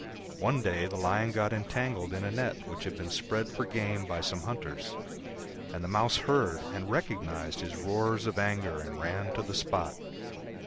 One day the Lion got entangled in a net which had been spread for game by some hunters, and the Mouse heard and recognised his roars of anger and ran to the spot.